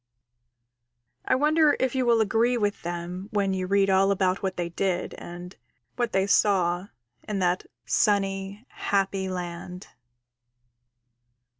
I wonder if you will agree with them when you read all about what they did and what they saw in that sunny, happy land.